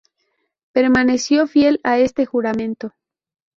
Permaneció fiel a este juramento.